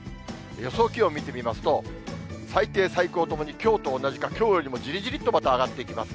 予想気温見てみますと、最低、最高ともに、きょうと同じか、きょうよりもじりじりっとまた上がっていきます。